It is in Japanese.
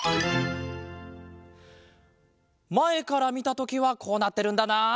まえからみたときはこうなってるんだなあ。